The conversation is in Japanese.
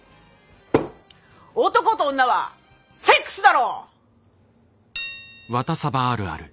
男と女はセックスだろ！